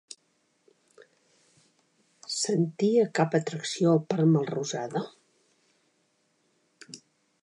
Sentia cap atracció per Melrosada?